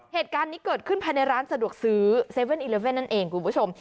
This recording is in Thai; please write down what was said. เหตุการณ์นี้เกิดขึ้นภายในร้านสะดวกซื้อ๗๑๑นั่นเองคุณผู้ชม